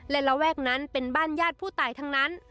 และระแวกนั้นเป็นบ้านญาติผู้ตายทั้งนั้น